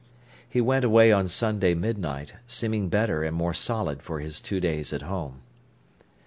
He went away on Sunday midnight, seeming better and more solid for his two days at home.